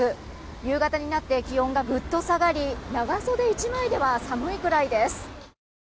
夕方になって気温がぐっと下がり長袖１枚では寒いくらいです。